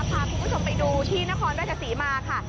พาคุณผู้ชมไปดูที่นครราชศรีมาค่ะ